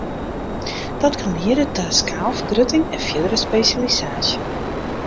Dat kin liede ta skaalfergrutting en fierdere spesjalisaasje.